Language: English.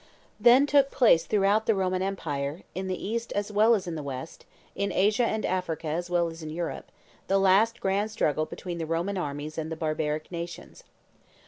Then took place throughout the Roman empire, in the East as well as in the West, in Asia and Africa as well as in Europe, the last grand struggle between the Roman armies and the barbaric nations.